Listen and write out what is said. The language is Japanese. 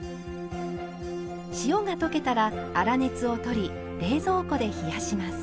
塩が溶けたら粗熱を取り冷蔵庫で冷やします。